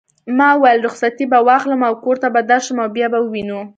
ما وویل: رخصتې به واخلم او کور ته به درشم او بیا به وینو.